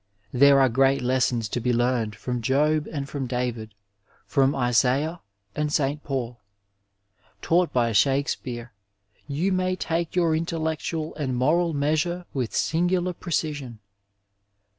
There are great lessons to be learned from Job and from David, from Isaiah and St. Paul. Taught by Shakespeare you may take your intellectual and moral measure with singular precision.